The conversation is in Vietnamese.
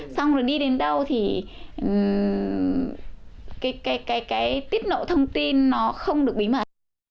xong rồi đi đến đâu thì cái cái cái cái tiết nộ thông tin nó không được bí mật